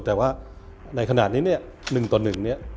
แต่ว่าในขณะนี้หนึ่งต่อหนึ่ง